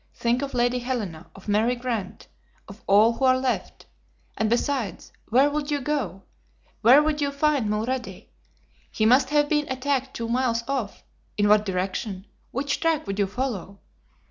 Think of Lady Helena, of Mary Grant, of all who are left. And, besides, where would you go? Where would you find Mulrady? He must have been attacked two miles off. In what direction? Which track would you follow?"